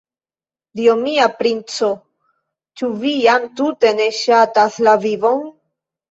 Dio mia, princo, ĉu vi jam tute ne ŝatas la vivon?